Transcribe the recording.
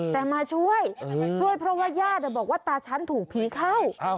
แต่มาช่วยช่วยเพราะว่าญาติบอกว่าตาฉันถูกผีเข้า